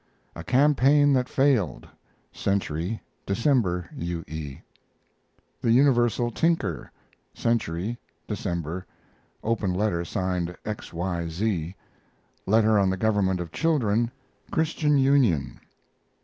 A CAMPAIGN THAT FAILED Century, December. U. E. THE UNIVERSAL TINKER Century, December (open letter signed X. Y. Z. Letter on the government of children Christian Union.)